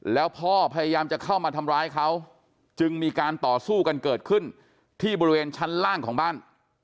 แล้วพ่อพยายามจะเข้ามาทำร้ายเขาจึงมีการต่อสู้กันเกิดขึ้นที่บริเวณชั้นล่างของบ้าน